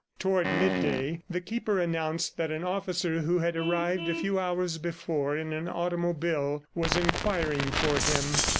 Toward midday, the Keeper announced that an officer who had arrived a few hours before in an automobile was inquiring for him.